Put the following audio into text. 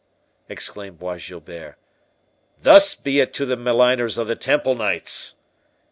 '" exclaimed Bois Guilbert, "thus be it to the maligners of the Temple knights!"